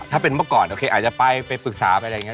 ถ้าเป็นเมื่อก่อนโอเคอาจจะไปไปปรึกษาไปอะไรอย่างนี้